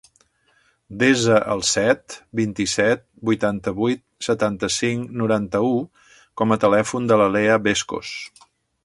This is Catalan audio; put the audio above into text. Desa el set, vint-i-set, vuitanta-vuit, setanta-cinc, noranta-u com a telèfon de la Lea Bescos.